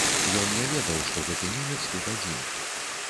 Ён не ведаў, што гэты немец тут адзін.